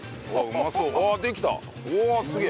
うまそう！